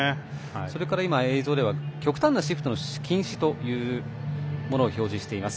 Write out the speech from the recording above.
それから映像、極端な守備シフトなシフトの禁止というものを表示しています。